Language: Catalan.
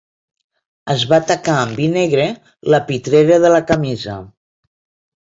Es va tacar amb vi negre la pitrera de la camisa.